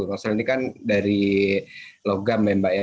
nozzle ini kan dari logam ya mbak ya